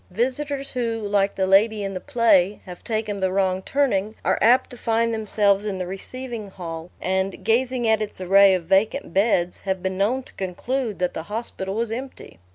Visitors who, like the lady in the play, have taken the wrong turning, are apt to find themselves in the receiving hall, and, gazing at its array of vacant beds, have been known to conclude that the hospital was empty.